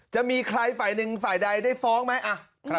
จะมีใครฝ่ายหนึ่งฝ่ายใดได้ฟ้องไหม